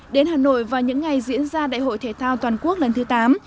đến hà nội vào những ngày diễn ra đại hội thể thao toàn quốc lần thứ tám